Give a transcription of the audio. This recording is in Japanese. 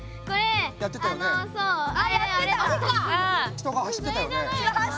人が走ってたよね。